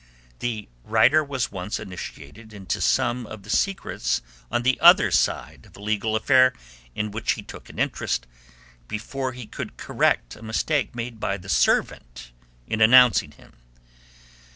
The writer was once initiated into some of the secrets on the "other side" of a legal affair in which he took an interest, before he could correct a mistake made by the servant in announcing him.